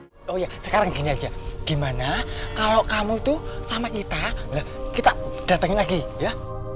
hai oh ya sekarang gini aja gimana kalau kamu tuh sama kita kita datang lagi ya